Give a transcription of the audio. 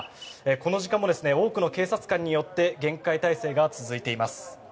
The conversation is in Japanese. この時間も多くの警察官によって厳戒態勢が続いています。